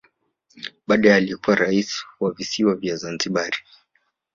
Baada ya aliyekuwa rais wa Visiwa vya Zanzibari